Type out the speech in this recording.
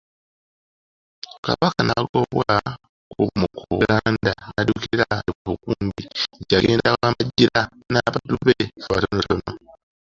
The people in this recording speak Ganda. Kabaka n'agobwa ku Buganda n'addukira e Bukumbi gye yagenda awambajjira n'abaddu be batonotono.